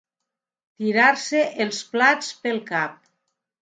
Tirar-se els plats pel cap.